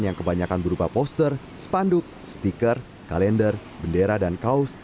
yang kebanyakan berupa poster spanduk stiker kalender bendera dan kaos